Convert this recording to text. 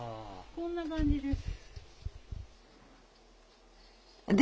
こんな感じです。